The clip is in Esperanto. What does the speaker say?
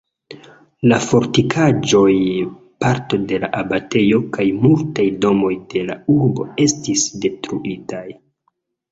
La fortikaĵoj, parto de la abatejo kaj multaj domoj de la urbo estis detruitaj.